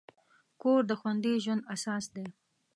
کور د خوندي ژوند اساس دی.